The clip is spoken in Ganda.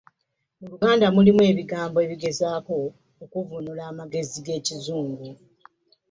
Mu Luganda mulimu ebigambo ebigezaako okuvvuunula amagezi g’ekizungu.